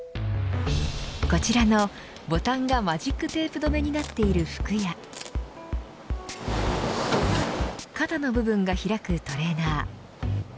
こちらのボタンがマジックテープ留めになっている服や肩の部分が開くトレーナー。